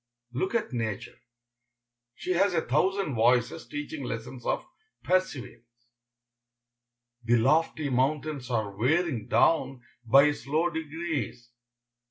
Look at nature. She has a thousand voices teaching lessons of perseverance. The lofty mountains are wearing down by slow degrees.